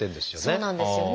そうなんですよね。